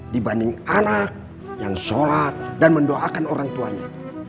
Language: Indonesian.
dibanding anak yang sholat dan mendoakan orang tuanya